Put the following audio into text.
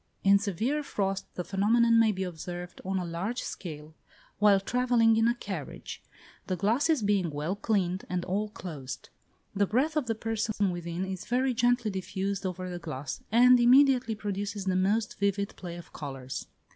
In severe frost the phenomenon may be observed on a large scale while travelling in a carriage; the glasses being well cleaned, and all closed. The breath of the persons within is very gently diffused over the glass, and immediately produces the most vivid play of colours.